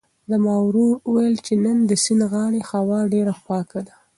زما ورور وویل چې نن د سیند د غاړې هوا ډېره پاکه ده.